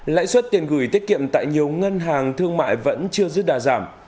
lãi suất tiền gửi tiết kiệm tại nhiều ngân hàng thương mại vẫn chưa dứt đa giảm